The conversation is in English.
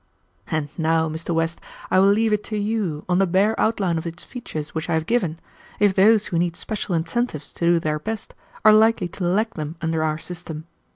"And now, Mr. West, I will leave it to you, on the bare outline of its features which I have given, if those who need special incentives to do their best are likely to lack them under our system.